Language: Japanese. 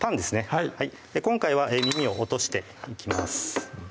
はい今回は耳を落としていきます